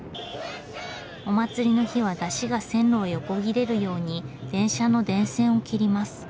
お祭りの日は山車が線路を横切れるように電車の電線を切ります。